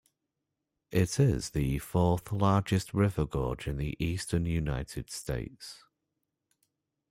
It is the fourth largest river gorge in the Eastern United States.